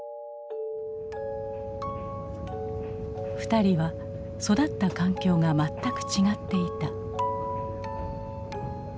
２人は育った環境が全く違っていた。